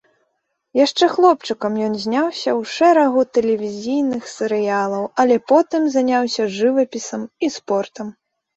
Яшчэ хлопчыкам ён зняўся ў шэрагу тэлевізійных серыялаў, але потым заняўся жывапісам і спортам.